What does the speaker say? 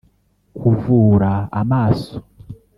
kuvura amaso